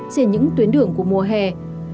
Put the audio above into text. trên những tuyến đường của mùa hè